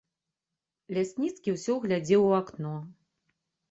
Лясніцкі ўсё глядзеў у акно.